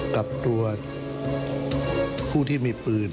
กับตัวผู้ที่มีปืน